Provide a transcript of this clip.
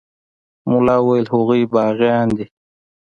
ملا وويل هغوى باغيان دي.